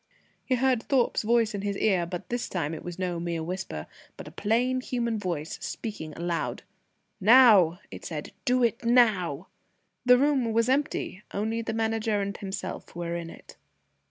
He heard Thorpe's voice in his ear, but this time it was no mere whisper, but a plain human voice, speaking out loud. "Now!" it said. "Do it now!" The room was empty. Only the Manager and himself were in it.